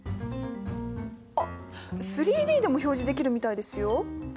あっ３Ｄでも表示できるみたいですよ。